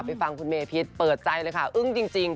ฟังคุณเมพิษเปิดใจเลยค่ะอึ้งจริง